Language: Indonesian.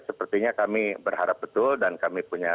sepertinya kami berharap betul dan kami punya